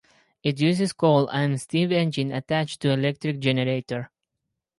It uses coal and a steam engine attached to electric generator.